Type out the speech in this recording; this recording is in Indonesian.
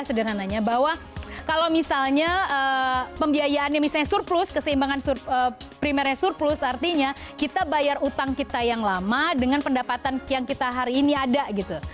sederhananya bahwa kalau misalnya pembiayaannya misalnya surplus keseimbangan primernya surplus artinya kita bayar utang kita yang lama dengan pendapatan yang kita hari ini ada gitu